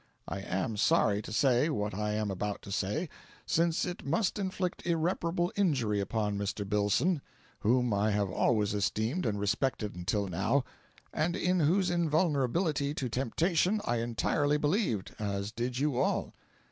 I am sorry to say what I am about to say, since it must inflict irreparable injury upon Mr. Billson, whom I have always esteemed and respected until now, and in whose invulnerability to temptation I entirely believed as did you all.